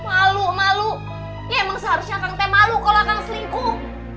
emang seharusnya aku malu kalo aku selingkuh